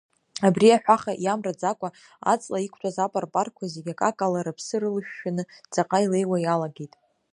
Абри аҳәаха иамраӡакәа, аҵла иқәтәаз апарпарқәа зегь акакала рыԥсы рылышәшәаны ҵаҟа илеиуа иалагеит.